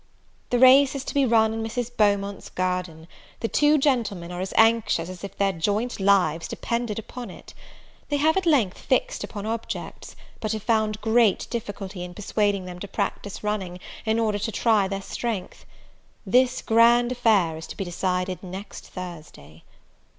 The race is to be run in Mrs. Beaumont's garden; the two gentlemen are as anxious, as if their joint lives depended upon it. They have at length fixed upon objects; but have found great difficulty in persuading them to practise running, in order to try their strength. This grand affair is to be decided next Thursday.